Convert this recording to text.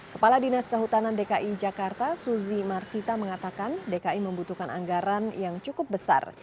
kepala dinas kehutanan dki jakarta suzy marsita mengatakan dki membutuhkan anggaran yang cukup besar